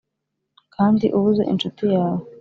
kandi ubuze inshuti yawe